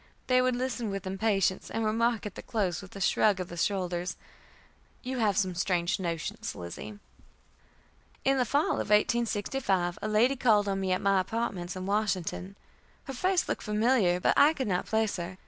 They would listen with impatience, and remark at the close, with a shrug of the shoulders, "You have some strange notions, Lizzie." In the fall of 1865 a lady called on me at my apartments in Washington. Her face looked familiar, but I could not place her.